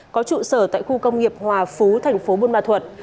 có trụ sở tại khu công nghiệp hòa phú thành phố buôn ma thuật